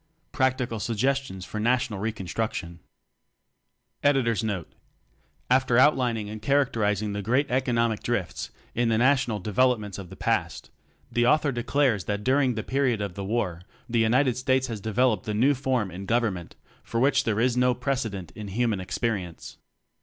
Practical Suggestions for National Reconstruction. By William Henry Smyth NOTE: After outlining and characterizing the great economic drifts in the national developments of the past, the author declares that during the period of war the United States has developed the new form in gov ernment for which there is no precedent in human experience.